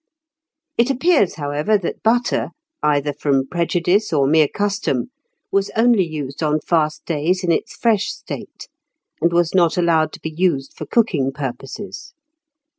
It appears, however, that butter, either from prejudice or mere custom, was only used on fast days in its fresh state, and was not allowed to be used for cooking purposes.